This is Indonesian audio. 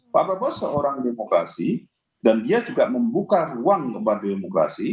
pak prabowo seorang demokrasi dan dia juga membuka ruang untuk demokrasi